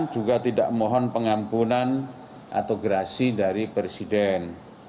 juga tidak mohon pengampunan atau gerasi dari presiden